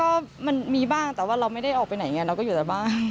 ก็มันมีบ้างแต่ว่าเราไม่ได้ออกไปไหนไงเราก็อยู่แต่บ้าน